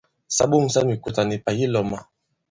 Ɓa ɓoŋsa mikùtà nì pà yi lɔ̄ma.